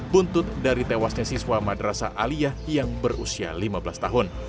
buntut dari tewasnya siswa madrasah aliyah yang berusia lima belas tahun